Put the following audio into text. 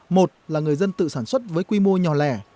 một là người dân tự sản xuất với quy mô nhỏ lẻ